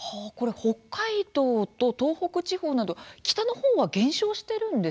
北海道と東北地方など北の方は減少しているんですね。